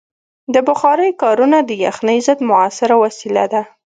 د بخارۍ کارونه د یخنۍ ضد مؤثره وسیله ده.